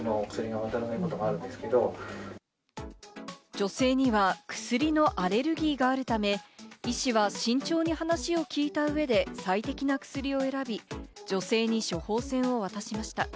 女性には薬のアレルギーがあるため、医師は慎重に話を聞いた上で最適な薬を選び、女性に処方箋を渡しました。